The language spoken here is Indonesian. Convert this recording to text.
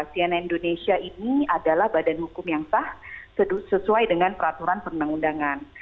cnn indonesia ini adalah badan hukum yang sah sesuai dengan peraturan perundang undangan